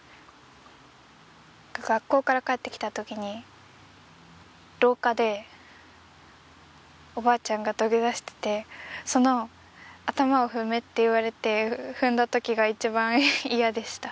学校から帰ってきたときに廊下でおばあちゃんが土下座しててその頭を踏めって言われて踏んだときが一番嫌でした。